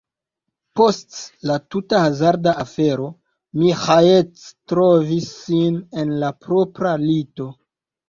Post la tuta hazarda afero, Maĥiac trovis sin en la propra lito.